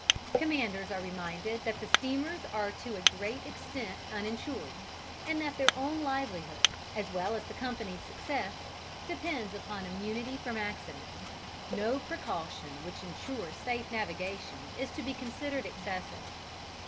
Commanders are reminded that the steamers are to a great extent uninsured, and that their own livelihood, as well as the company's success, depends upon immunity from accident; no precaution which ensures safe navigation is to be considered excessive.